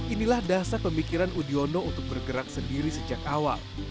inilah dasar pemikiran udiono untuk bergerak sendiri sejak awal